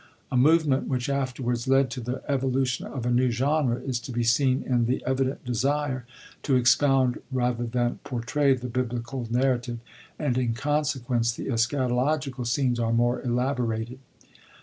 A movement which afterwards led to the evolution of a new genre is to be seen in the evident desire to expound rather than portray the Biblical narrative, and, in consequence, the eschato logical scenes are more elaborated.